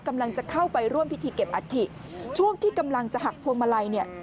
กำลังจะเข้าไปร่วมพิธีเก็บอัฐิช่วงที่กำลังจะหักพวงมาลัยเนี่ย